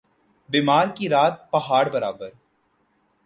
بیمار کی رات پہاڑ برابر